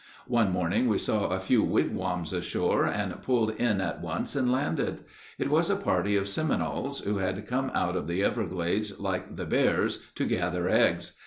One morning we saw a few wigwams ashore, and pulled in at once and landed. It was a party of Seminoles who had come out of the everglades like the bears to gather eggs.